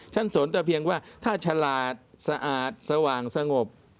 สนแต่เพียงว่าถ้าฉลาดสะอาดสว่างสงบ